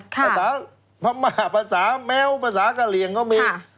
ภาษาพม่าภาษาแม้วภาษากะเหลี่ยงก็มี